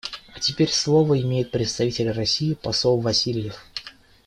А теперь слово имеет представитель России посол Васильев.